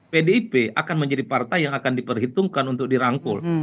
pdip akan menjadi partai yang akan diperhitungkan untuk dirangkul